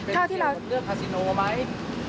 เป็นเกี่ยวกับเลือกคาซิโนไหม